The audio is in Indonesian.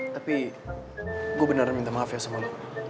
tapi gue beneran minta maaf ya sama lo